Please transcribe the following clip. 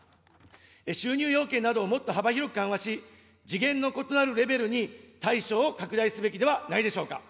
収入要件などをもっと幅広く緩和し、次元の異なるレベルに対象を拡大すべきではないでしょうか。